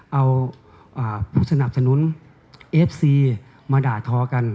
เอาผู้สนับสนุนเอฟซีมาด่าทอกัน